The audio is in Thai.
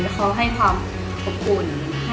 เขาให้ความขอบคุณ